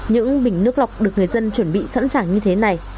những bình nước lọc được người dân chuẩn bị sẵn sàng như thế này